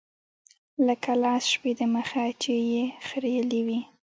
لکه لس شپې د مخه چې يې خرييلي وي.